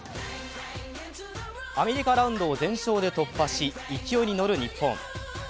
アメリカラウンドを全勝で突破し、勢いに乗る日本。